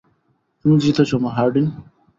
তুমি জিতেছ, হার্ডিন।